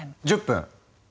１０分！